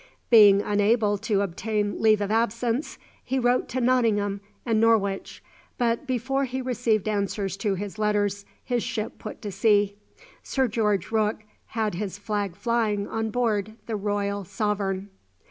Being unable to obtain leave of absence, he wrote to Nottingham and Norwich; but before he received answers to his letters his ship put to sea. Sir George Rooke had his flag flying on board the "Royal Sovereign."